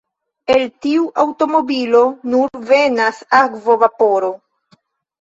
El tiu aŭtomobilo nur venas akvo-vaporo.